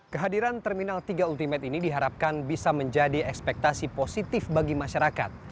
kehadiran terminal tiga ultimate ini diharapkan bisa menjadi ekspektasi positif bagi masyarakat